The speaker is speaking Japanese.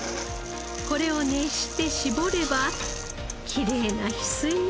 これを熱して搾ればきれいな翡翠色。